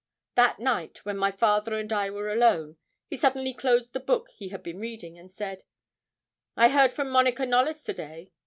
That night, when my father and I were alone, he suddenly closed the book he had been reading, and said 'I heard from Monica Knollys to day.